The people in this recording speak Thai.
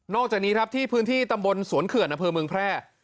จากนี้ครับที่พื้นที่ตำบลสวนเขื่อนอำเภอเมืองแพร่